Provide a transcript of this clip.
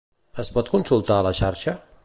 Es pot consultar a la xarxa?